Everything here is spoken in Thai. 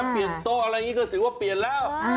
แค่เปลี่ยนโต๊ะอะไรอย่างนี้ก็สิว่าเปลี่ยนแล้ว